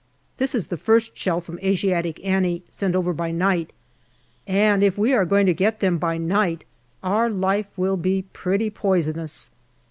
This is the first shell from " Asiatic Annie " sent over by night, and if we are going to get them by night our life will be pretty poisonous.